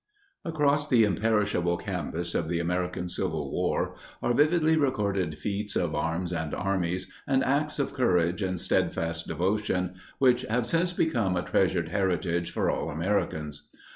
] _Across the imperishable canvas of the American Civil War are vividly recorded feats of arms and armies, and acts of courage and steadfast devotion which have since become a treasured heritage for all Americans.